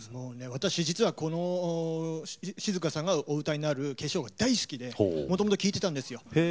私実はこの静香さんがお歌いになる「化粧」が大好きでもともと聴いてたんですよ。